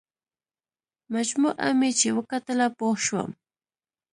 مجموعه مې چې وکتله پوه شوم.